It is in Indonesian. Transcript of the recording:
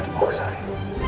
di bawa ke saya